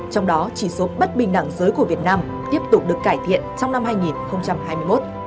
trong đó chỉ số bất bình đẳng giới của việt nam tiếp tục được cải thiện trong năm hai nghìn hai mươi một